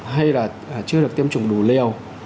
hay là chưa được tiêm chủng đủ liều